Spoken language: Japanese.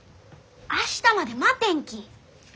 明日まで待てんき！